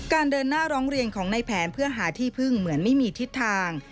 เดินหน้าร้องเรียนของในแผนเพื่อหาที่พึ่งเหมือนไม่มีทิศทาง